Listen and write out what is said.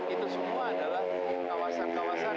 itu semua adalah kawasan kawasan